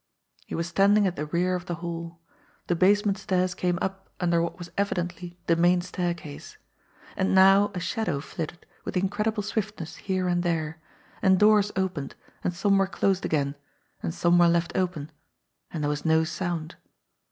He was standing at the rear of the hall. The basement stairs came up under what was evidently the main staircase. And now a shadow flitted with incredible swiftness here and there; and doors opened, and some were closed again, and some were left open and there was no sound.